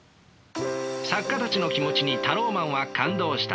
作家たちの気持ちにタローマンは感動した。